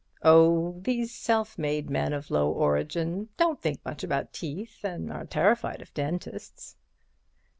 "Oh, these self made men of low origin don't think much about teeth, and are terrified of dentists."